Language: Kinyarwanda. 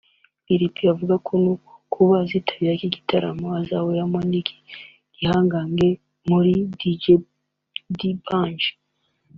Lilp avuga ko no kuba azitabira iki gitaramo azahuriramo n’iki gihangange muri D’Banj